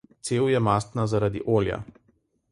Cev je mastna zaradi olja.